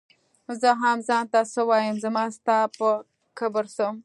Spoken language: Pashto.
زۀ هم ځان ته څۀ وايم زما ستا پۀ کبر څۀ